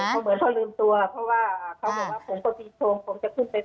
เหมือนเขาลืมตัวเพราะว่าเขาบอกว่าผมต้องดีชม